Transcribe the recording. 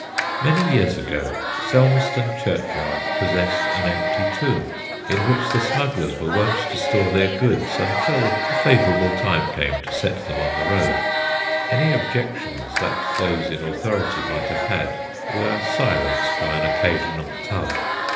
Many years ago Selmeston churchyard possessed an empty tomb, in which the smugglers were wont to store their goods until a favourable time came to set them on the road. Any objections that those in authority might have had were silenced by an occasional tub.